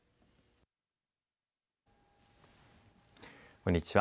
こんにちは。